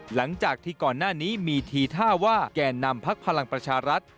หลังจากที่ก่อนหน้านี้มีทีท่าว่าแก่นำพักพลังประชารัฐ